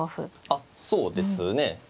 あっそうですね。